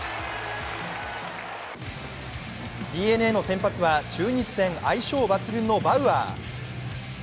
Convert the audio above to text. ＤｅＮＡの先発は中日戦、相性抜群のバウアー。